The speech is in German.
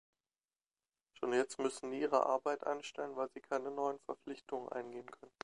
Schon jetzt müssen Nihre Arbeit einstellen, weil sie keine neuen Verpflichtungen eingehen können.